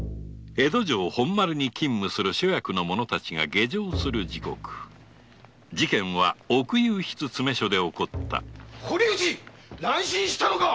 江戸城本丸に勤務する諸役の者たちが下城する時刻事件は奥右筆詰め所で起こった堀内乱心したのか！